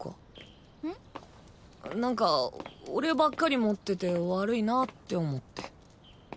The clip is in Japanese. なんか俺ばっかり持ってて悪いなって思って。